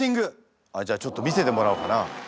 ちょっと見せてもらおうかな。